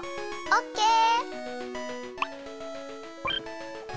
オッケー！